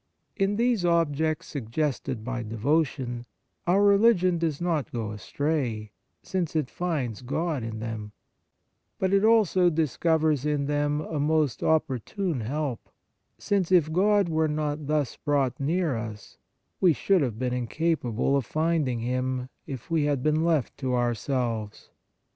In these objects suggested by devotion, our religion does not go astray, since it finds God in them ; but it also discovers in them a most opportune help, since, if God were not thus brought near us, we should have been incapable of finding Him if we had been left to ourselves.